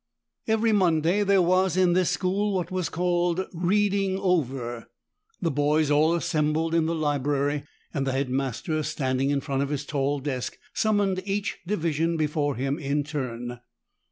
Every Monday there was in this school what was called "reading over." The boys all assembled in the library and the Head Master, standing in front of his tall desk, summoned each division before him in turn.